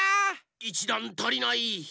１だんたりない。